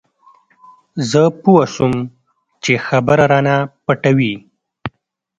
زه پوه سوم چې خبره رانه پټوي.